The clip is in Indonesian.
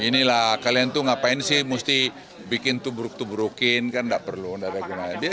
ya inilah kalian tuh ngapain sih mesti bikin tubruk tubrukin kan tidak perlu tidak ada gunanya